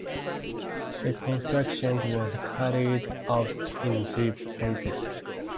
The construction was carried out in three phases.